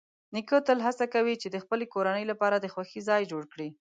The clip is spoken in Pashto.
نیکه تل هڅه کوي چې د خپل کورنۍ لپاره د خوښۍ ځای جوړ کړي.